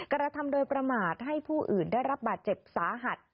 กระทำโดยประมาทให้ผู้อื่นได้รับบาดเจ็บสาหัส